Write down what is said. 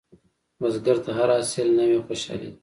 بزګر ته هر حاصل نوې خوشالي ده